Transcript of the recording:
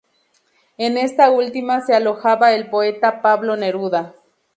En esta última se alojaba el poeta Pablo Neruda.